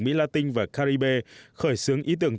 mỹ la tinh và caribe khởi xướng ý tưởng